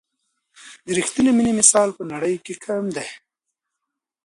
د رښتیني مینې مثال په نړۍ کې کم دی.